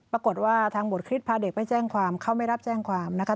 ปรากฏว่าทางบทคริสต์พาเด็กไปแจ้งความเขาไม่รับแจ้งความนะคะ